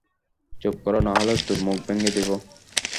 চুপ কর, নাহলে তোর মুখ ভেঙে দেবো।